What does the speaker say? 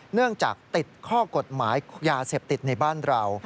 เนื่องจากติดข้อกฎหมายยาเสพติดในบ้านเรา